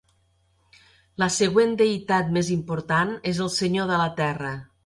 La següent deïtat més important és el Senyor de la Terra.